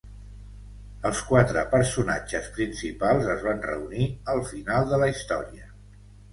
Els quatre personatges principals es van reunir al final de la història.